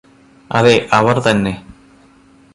അതെ അവര് തന്നെ